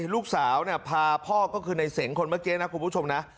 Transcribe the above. ลูกสาวพาพ่อก็คือในเสงคนเมื่อกี้นะคุณผู้ชมนะ